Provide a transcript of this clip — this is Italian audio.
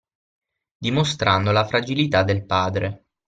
Dimostrando la fragilità del padre.